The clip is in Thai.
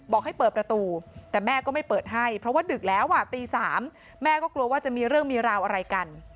บอกให้เปิดประตูแต่แม่ก็ไม่เปิดให้เพราะว่าดึกแล้วอ่ะตี๓แม่ก็กลัวว่าจะมีเรื่องมีราวอะไรกัน